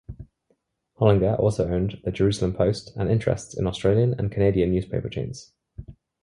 Hollinger also owned "The Jerusalem Post" and interests in Australian and Canadian newspaper chains.